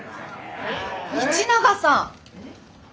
道永さん！？